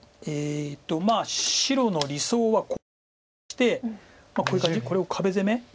白の理想はこうツガしてこういう感じこれを壁攻め。